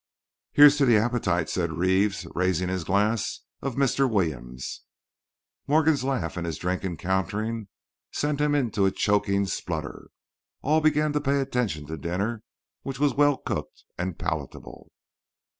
"Here's to the appetite," said Reeves, raising his glass, "of Mr. Williams!" Morgan's laugh and his drink encountering sent him into a choking splutter. All began to pay attention to the dinner, which was well cooked and palatable.